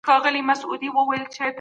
ارام ژوند د هر انسان حق دی.